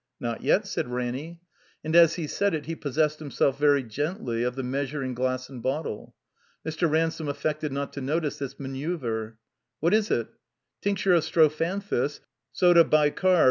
"Not yet," said Ranny. And as he said it he possessed himself very gently of the measuring glass and bottle. (Mr. Ransome affected not to notice this manceuver.) ''What is itr "Tincture of strophanthus, sodae bicarb.